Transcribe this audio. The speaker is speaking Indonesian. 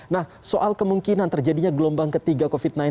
nah soal kemungkinan terjadinya gelombang ketiga covid sembilan belas